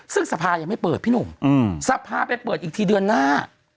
ซึ่งสภายังไม่เปิดพี่หนุ่มสภาไปเปิดอีกทีเดือนหน้า